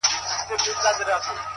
• یوه ورځ به تلل کیږي عملونه په مېزان ,